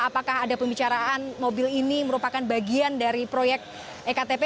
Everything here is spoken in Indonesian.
apakah ada pembicaraan mobil ini merupakan bagian dari proyek ektp